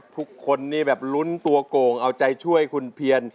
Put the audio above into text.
ทุกคนนี่แบบลุ้นตัวโก่งเอาใจช่วยคุณเพียน